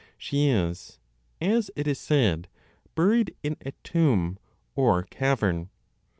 She is, as it is said, buried in a tomb, or cavern.